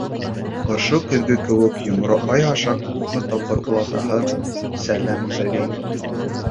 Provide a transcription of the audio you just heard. Ошо көҙгө кеүек йомро ай аша күпме тапҡыр ул атаһына сәләм ебәргәйне.